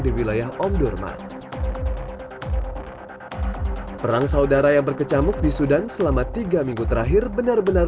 di wilayah omdurman perang saudara yang berkecamuk di sudan selama tiga minggu terakhir benar benar